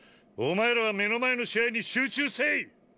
お前らは目の前の試合に集中せい！